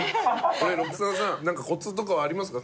これロクサナさんなんかコツとかはありますか？